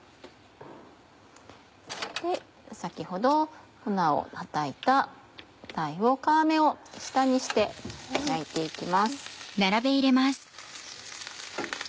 先ほど粉をはたいた鯛を皮目を下にして焼いて行きます。